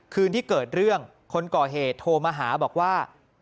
คืนที่เกิดเรื่องคนก่อเหตุโทรมาหาบอกว่า